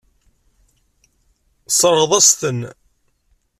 Tesseṛɣeḍ-as-ten.